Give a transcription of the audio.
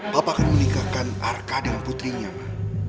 papa akan menikahkan arka dengan putrinya ma